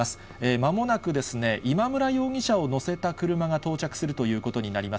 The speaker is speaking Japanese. まもなくですね、今村容疑者を乗せた車が到着するということになります。